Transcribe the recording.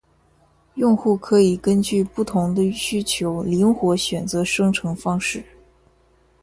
用户可以根据不同的需求灵活选择生成方式